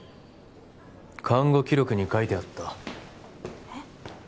看護記録に書いてあったえっ？